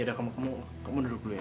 ya udah kamu duduk dulu ya